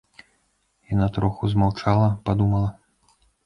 Яна троху змаўчала, падумала.